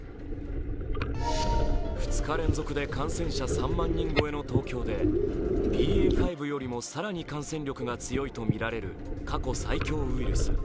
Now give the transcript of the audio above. ２日連続で感染者３万人超えの東京でＢＡ．５よりも更に感染力が強いとみられる過去最強ウイルス